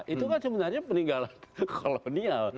itu kan sebenarnya peninggalan kolonial